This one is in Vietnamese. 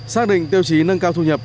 xác định tiêu chí nâng cao thu nhập